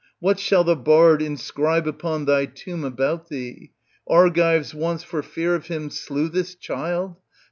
What shall the bard inscribe upon thy tomb about thee? " Argives once for fear of him slew this child